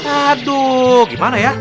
aduh gimana ya